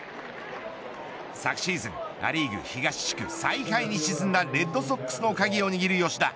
昨シーズン、ア・リーグ東地区最下位に沈んだレッドソックスの鍵を握る吉田。